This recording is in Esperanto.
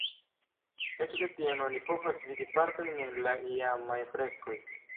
Ekde tiam oni povas vidi partojn el la iamaj freskoj.